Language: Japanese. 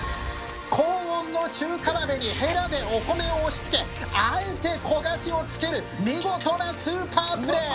高温の中華鍋にヘラでお米を押しつけあえて焦がしを付ける見事なスーパープレー！